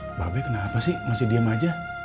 mbak abe kenapa sih masih diem aja